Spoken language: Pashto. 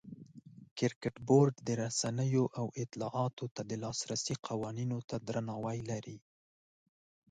کرکټ بورډ د رسنیو او اطلاعاتو ته د لاسرسي قوانینو ته درناوی لري.